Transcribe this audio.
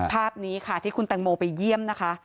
ภาพนี้ค่ะที่คุณแตงโมไปเยี่ยมนะคะ